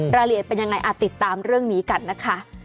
รายละเอียดเป็นยังไงติดตามเรื่องนี้กันนะคะ